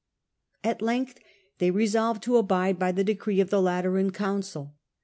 At length they resolved to abide by the decree of the Lateran Council.